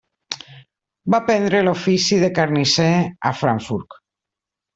Va aprendre l'ofici de carnisser a Frankfurt.